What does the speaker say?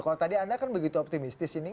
kalau tadi anda kan begitu optimistis ini